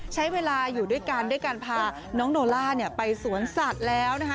ใช้เวลาอยู่ด้วยกันด้วยการพาน้องโนล่าไปสวนสัตว์แล้วนะคะ